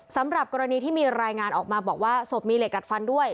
สำหรับกรณีที่มีรายงานออกมาบอกว่าศพมีเหล็กดัดฟันด้วย